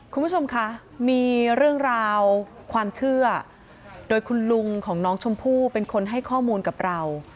คุณผู้ชมคะมีเรื่องราวความเชื่อโดยคุณลุงของน้องชมพู่เป็นคนให้ข้อมูลกับเรา